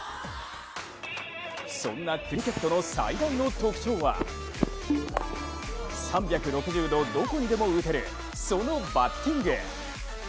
そんなクリケットの最大の特徴は３６０度どこにでも打てるそのバッティング。